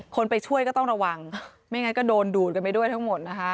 คนไปช่วยก็ต้องระวังไม่งั้นก็โดนดูดกันไปด้วยทั้งหมดนะคะ